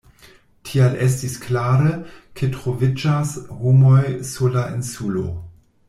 Tial estis klare, ke troviĝas homoj sur la insulo.